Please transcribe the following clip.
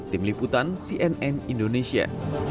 tim liputan cnn indonesia